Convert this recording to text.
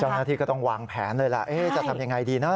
เจ้าหน้าที่ก็ต้องวางแผนเลยล่ะจะทำยังไงดีนะ